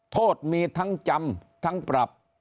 โทษมีทั้งจำทั้งปรับ